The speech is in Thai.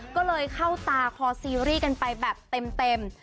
ก็เลยเข้าตาคอซีรีส์กันไปแบบเต็ม